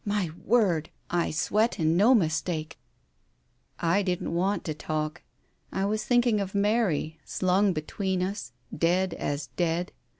My word ! I sweat, and no mistake !" I didn't want to talk. I was thinking of Mary, slung between us, dead as dead.